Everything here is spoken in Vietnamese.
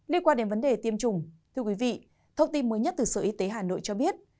liên quan đến vấn đề tiêm chủng thưa quý vị thông tin mới nhất từ sở y tế hà nội cho biết